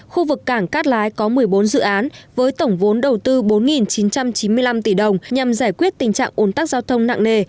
khu vực cảng cát lái có một mươi bốn dự án với tổng vốn đầu tư bốn chín trăm chín mươi năm tỷ đồng nhằm giải quyết tình trạng ồn tắc giao thông nặng nề